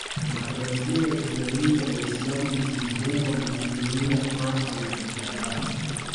Matarajio ya kijamii ya Waislamu nchini humo na jumuiya pana ya Kiarabu